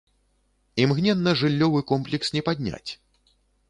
Імгненна жыллёвы комплекс не падняць.